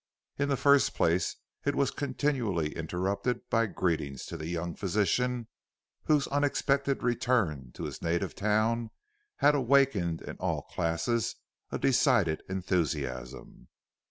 In the first place it was continually interrupted by greetings to the young physician whose unexpected return to his native town had awakened in all classes a decided enthusiasm.